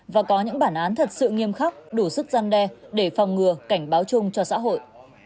và có những bản án thật sự nghiêm khắc đủ sức gian đe để phòng ngừa cảnh báo chung cho xã hội